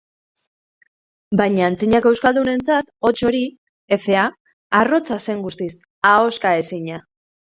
Baina antzinako euskaldunentzat hots hori, efea, arrotza zen guztiz, ahoskaezina.